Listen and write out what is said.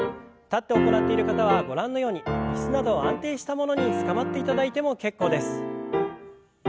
立って行っている方はご覧のように椅子など安定したものにつかまっていただいても結構です。